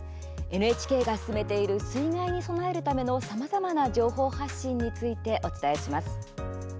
ＮＨＫが進めている水害に備えるための、さまざまな情報発信についてお伝えします。